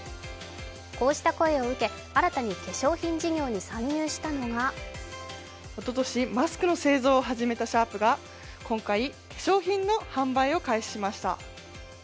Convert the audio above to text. こうした声を受け、新たに化粧品事業に参入したのがおととしマスクの製造を始めたシャープが今回、化粧品の販売を開始しました。